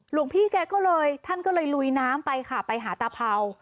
หลวงพี่แกก็เลยท่านก็เลยลุยน้ำไปค่ะไปหาตาเผา